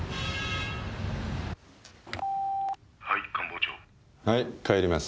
「はい官房長」はい帰ります。